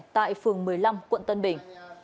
tại phường một mươi năm quận tân bình